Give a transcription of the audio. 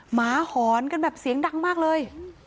หมาหอนกันแบบเสียงดังมากเลย